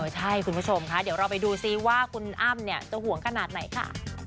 ใช่คุณผู้ชมค่ะเดี๋ยวเราไปดูซิว่าคุณอ้ำจะห่วงขนาดไหนค่ะ